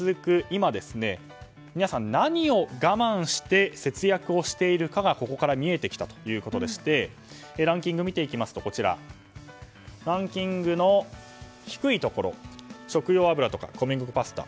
今皆さん何を我慢して節約しているかがここから見えてきたということでランキングを見ていきますとランキングの低いところ食用油とか小麦粉、パスタ。